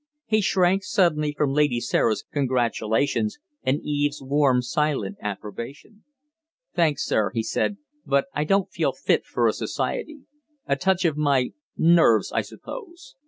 He shrank suddenly from Lady Sarah's congratulations and Eve's warm, silent approbation. "Thanks, sir," he said, "but I don't feel fit for society. A touch of my nerves, I suppose."